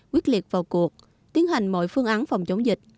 quyết liệt vào cuộc tiến hành mọi phương án phòng chống dịch